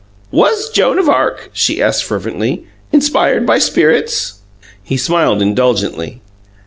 "WAS Joan of Arc," she asked fervently, "inspired by spirits?" He smiled indulgently.